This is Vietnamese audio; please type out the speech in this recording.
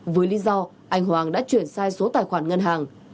với lý do anh hoàng đã chuyển sai số tài khoản ngân hàng